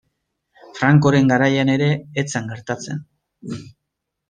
Francoren garaian ere ez zen gertatzen.